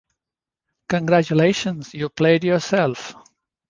Congratulations, you played yourself.